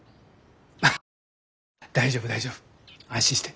アハハ大丈夫大丈夫安心して。